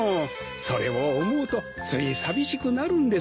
それを思うとつい寂しくなるんですよ。